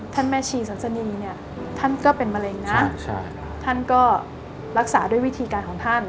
แม่ชีสันสนีเนี่ยท่านก็เป็นมะเร็งนะท่านก็รักษาด้วยวิธีการของท่าน